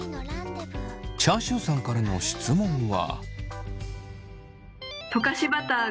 チャーシューさんからの質問は。